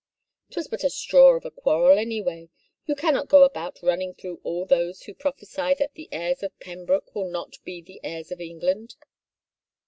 'Twas but a straw of a quarrel anyway. You cannot go about running through all those who prophesy that the heirs of Pem broke will not be the heirs of England.